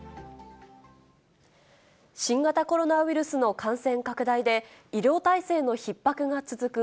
新型コロナウイルスの感染拡大で、医療体制のひっ迫が続く